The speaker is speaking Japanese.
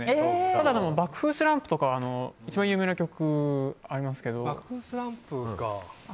ただ爆風スランプとかは一番有名な曲ありますけど。